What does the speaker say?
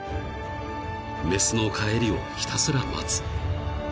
［雌の帰りをひたすら待つ］